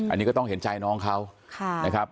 อันนี้ก็ต้องเห็นใจน้องเขานะครับ